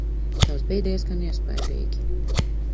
Tas bija diezgan iespaidīgi.